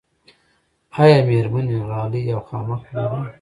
آیا میرمنې غالۍ او خامک پلوري؟